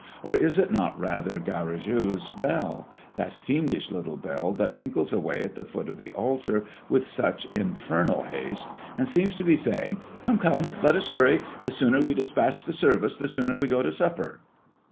Or is it not rather Garrigou's bell? that fiendish little bell that tinkles away at the foot of the altar with such infernal haste, and seems to be saying, "Come, come, let us hurry! The sooner we despatch the service, the sooner we go to supper."